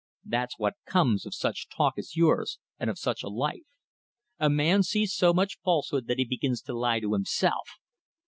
That's what comes of such talk as yours, and of such a life. A man sees so much falsehood that he begins to lie to himself.